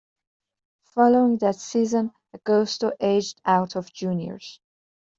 Following that season, Agosto aged out of juniors.